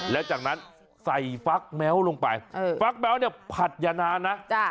แล้วจากนั้นใส่ฟักแม้วลงไปฟักแมวเนี่ยผัดอย่านานนะ